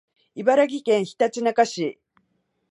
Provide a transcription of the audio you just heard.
茨城県ひたちなか市